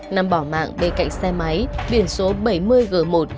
nằm bỏ mạng bên cạnh xe máy biển số bảy mươi g một hai mươi năm nghìn ba trăm bốn mươi bốn